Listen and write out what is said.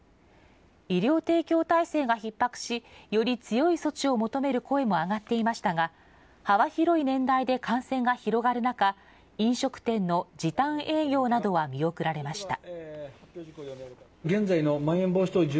医療提供体制がひっ迫しより強い措置を求める声も上がっていましたが幅広い年代で感染が広がる中飲食店の時短営業などは見送られました。